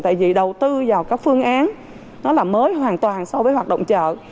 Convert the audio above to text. tại vì đầu tư vào các phương án mới hoàn toàn so với hoạt động chợ